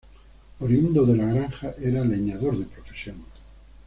Oriundo de La Granja, era leñador de profesión.